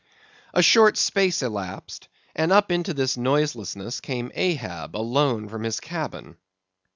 A short space elapsed, and up into this noiselessness came Ahab alone from his cabin.